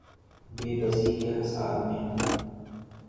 بے بسی کے حصار میں ہوں۔